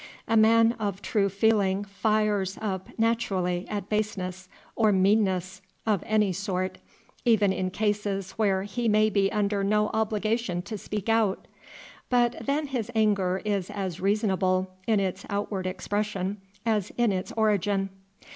A man of true feeling fires up naturally at baseness or meanness of any sort, even in cases where he may be under no obligation to speak out. But then his anger is as reasonable in its outward expression as in its origin.